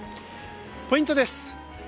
ポイントです。